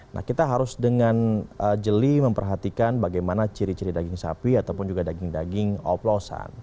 nah kita harus dengan jeli memperhatikan bagaimana ciri ciri daging sapi ataupun juga daging daging oplosan